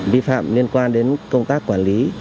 vi phạm liên quan đến công tác quản lý